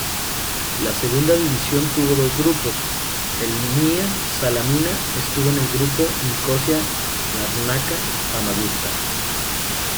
La segunda división tuvo dos grupos; el Nea Salamina estuvo en el grupo Nicosia-Larnaca-Famagusta.